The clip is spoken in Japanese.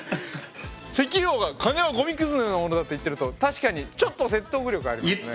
石油王が「金はごみくずのようなものだ」って言ってると確かにちょっと説得力ありますね。